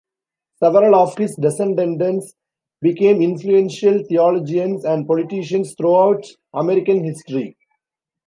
Several of his descendants became influential theologians and politicians throughout American history.